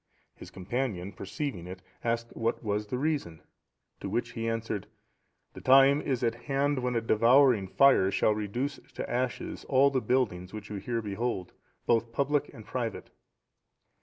His companion, perceiving it, asked what was the reason, to which he answered: "The time is at hand when a devouring fire shall reduce to ashes all the buildings which you here behold, both public and private."